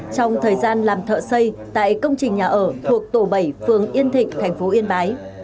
trong thời gian làm thợ xây tại công trình nhà ở thuộc tổ bảy phường yên thịnh thành phố yên bái